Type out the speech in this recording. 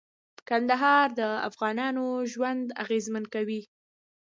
کندهار د افغانانو ژوند اغېزمن کوي.